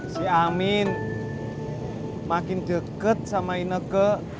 si amin makin dekat sama ineke